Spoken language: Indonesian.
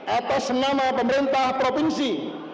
atas nama pemerintah provinsi